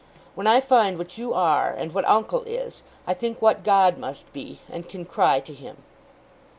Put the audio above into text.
When I find what you are, and what uncle is, I think what God must be, and can cry to him.